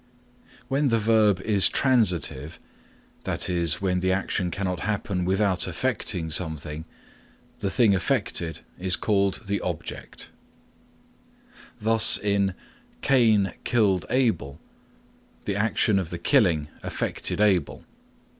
When the verb is transitive, that is, when the action cannot happen without affecting something, the thing affected is called the object. Thus in "Cain killed Abel" the action of the killing affected Abel.